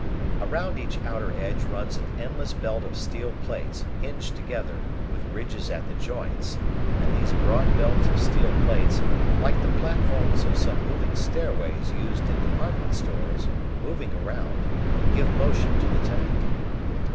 Around each outer edge runs an endless belt of steel plates, hinged together, with ridges at the joints, and these broad belts of steel plates, like the platforms of some moving stairways used in department stores, moving around, give motion to the tank.